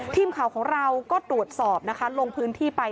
ทีมข่าวของเราก็ตรวจสอบนะคะลงพื้นที่ไป